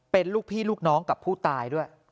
เป็นลูกพี่ลูกน้องกับผู้ตายด้วย